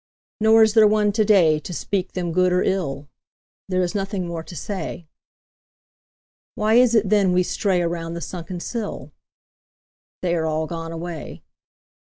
Nor is there one today To speak them good or ill: There is nothing more to say. Why is it then we stray Around the sunken sill? They are all gone away.